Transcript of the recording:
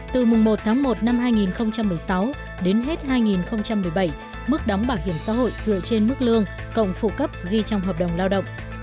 từ mùng một tháng một năm hai nghìn một mươi sáu đến hết hai nghìn một mươi bảy mức đóng bảo hiểm xã hội dựa trên mức lương cộng phụ cấp ghi trong hợp đồng lao động